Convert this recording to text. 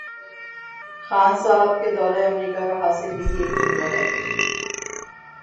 خان صاحب کے دورہ امریکہ کا حاصل یہی ایک جملہ ہے۔